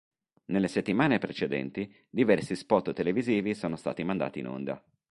Nelle settimane precedenti, diversi spot televisivi sono stati mandati in onda.